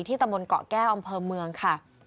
ตะบนเกาะแก้วอำเภอเมืองค่ะ